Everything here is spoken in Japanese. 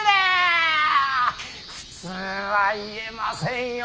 普通は言えませんよ